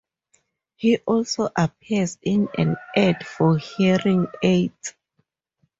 He also appears in an ad for hearing aids.